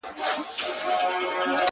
• ډلي به راسي د توتکیو ,